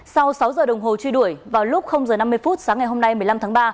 sau sáu giờ đồng hồ truy đuổi vào lúc giờ năm mươi phút sáng ngày hôm nay một mươi năm tháng ba